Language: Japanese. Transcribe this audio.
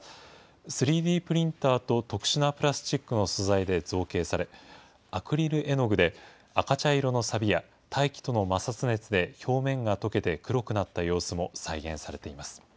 ３Ｄプリンターと特殊なプラスチックの素材で造形され、アクリル絵の具で赤茶色のさびや、大気との摩擦熱で表面が溶けて黒くなった様子も再現されています。